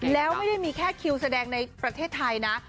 แล้วไม่ได้มีแค่คิวแสดงในประเทศไทยนะ